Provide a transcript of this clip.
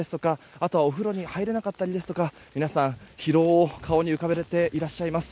あとは、お風呂に入れなかったりですとか皆さん、疲労を顔に浮かべていらっしゃいます。